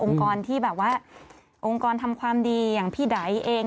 ที่แบบว่าองค์กรทำความดีอย่างพี่ไดเอง